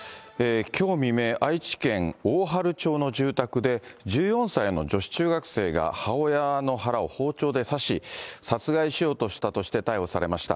きょう未明、愛知県大治町の住宅で、１４歳の女子中学生が母親の腹を包丁で刺し、殺害しようとしたとして逮捕されました。